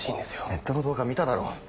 ネットの動画見ただろ？